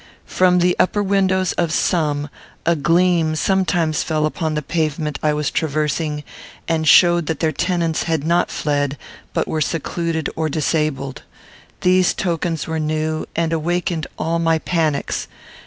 From the upper windows of some, a gleam sometimes fell upon the pavement I was traversing, and showed that their tenants had not fled, but were secluded or disabled. These tokens were new, and awakened all my panics.